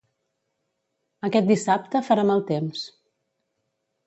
Aquest dissabte farà mal temps.